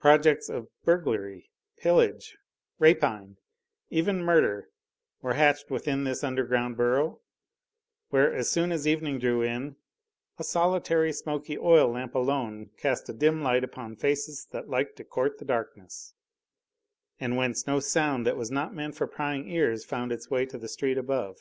Projects of burglary, pillage, rapine, even murder, were hatched within this underground burrow, where, as soon as evening drew in, a solitary, smoky oil lamp alone cast a dim light upon faces that liked to court the darkness, and whence no sound that was not meant for prying ears found its way to the street above.